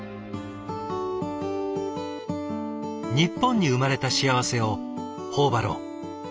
日本に生まれた幸せを頬張ろう。